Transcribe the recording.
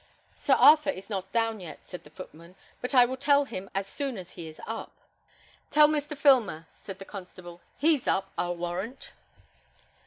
"Sir Arthur is not down yet," said the footman; "but I will tell him as soon as he is up." "Tell Mr. Filmer," said the constable; "he's up, I'll warrant."